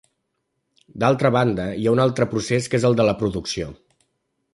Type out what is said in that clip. D'altra banda, hi ha un altre procés que és el de la producció.